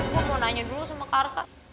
gue mau nanya dulu sama kak arka